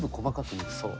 そう。